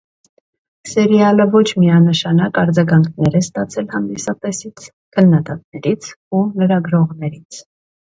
Սերիալը ոչ միանշանակ արձագանքներ է ստացել հանդիսատեսից, քննադատներից ու լրագրողներից։